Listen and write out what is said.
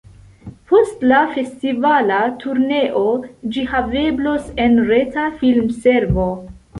Post la festivala turneo ĝi haveblos en reta filmservo.